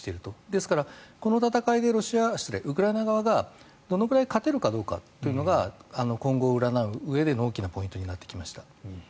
ですからこの戦いでウクライナ側がどのくらい勝てるかどうかというのが今後を占ううえでの大きなポイントになってきました。